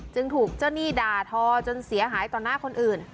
จึงถูกเจ้าหนี้ด่าทอจนเสียหายต่อหน้าคนอื่น